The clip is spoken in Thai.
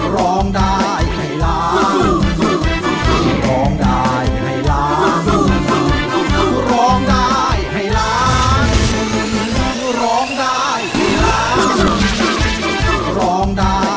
ร้องได้ให้ร้องร้องได้ให้ร้อง